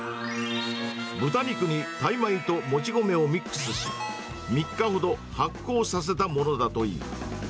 豚肉にタイ米ともち米をミックスし、３日ほど発酵させたものだという。